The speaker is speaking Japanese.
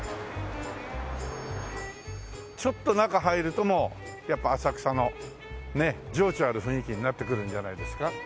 ちょっと中入るともうやっぱ浅草の情緒ある雰囲気になってくるんじゃないですか。